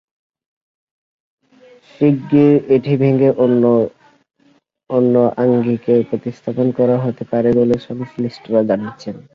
শিগগির এটি ভেঙে অন্য আঙ্গিকে প্রতিস্থাপন করা হতে পারে বলে সংশ্লিষ্টরা জানিয়েছেন।